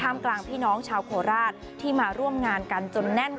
มกลางพี่น้องชาวโคราชที่มาร่วมงานกันจนแน่น